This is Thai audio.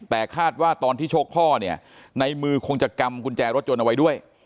แต่คาดว่าตอนที่ชกพ่อเนี่ยในมือคงจะกำกุญแจรถยนต์เอาไว้ด้วย